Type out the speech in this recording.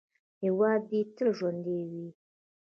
هیواد دې تل ژوندی وي.